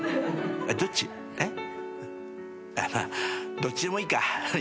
まあどっちでもいいか。